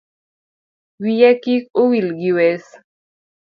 Wiya kik owil gi wes